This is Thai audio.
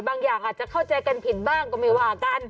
อย่างอาจจะเข้าใจกันผิดบ้างก็ไม่ว่ากัน